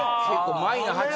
マイナ８。